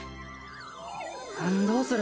どうする？